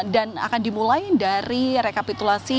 dan akan dimulai dari rekapitulasi